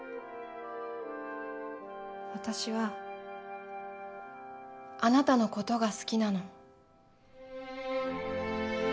私はあなたの事が好きなの。